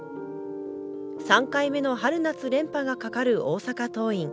３回目の春夏連覇がかかる大阪桐蔭。